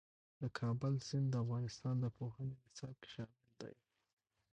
د کابل سیند د افغانستان د پوهنې نصاب کې شامل دی.